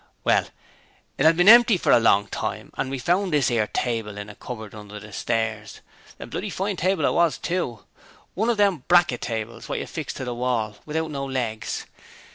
'Well, it 'ad bin empty for a long time and we found this 'ere table in a cupboard under the stairs. A bloody fine table it was too. One of them bracket tables what you fix to the wall, without no legs.